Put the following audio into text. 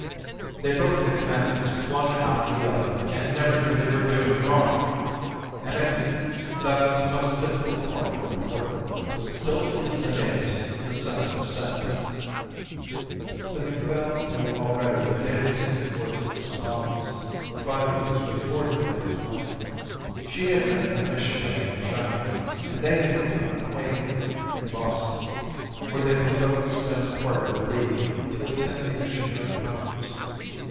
"They broke the commandments one after the other and never knew they were doing wrong. And I think that was the most difficult part of my work, to instil into the natives the sense of sin." The Macphails knew already that Davidson had worked in the Solomons for five years before he met his wife. She had been a missionary in China, and they had become acquainted in Boston, where they were both spending part of their leave to attend a missionary congress.